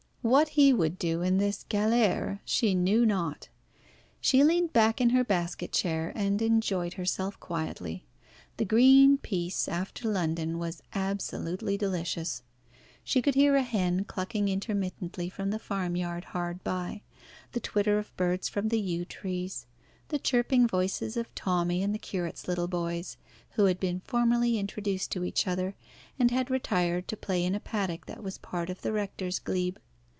What he would do in this galère she knew not. She leaned back in her basket chair and enjoyed herself quietly. The green peace, after London, was absolutely delicious. She could hear a hen clucking intermittently from the farmyard hard by, the twitter of birds from the yew trees, the chirping voices of Tommy and the curate's little boys, who had been formally introduced to each other, and had retired to play in a paddock that was part of the rector's glebe.